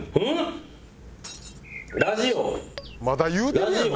まだ言うてるやん！